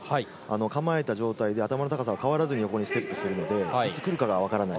構えた上体で頭の高さが変わらず、横にステップするのでいつ来るのか分からない。